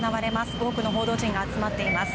多くの報道陣が集まっています。